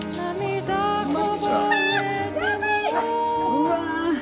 うわ。